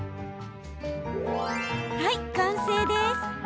はい、完成です。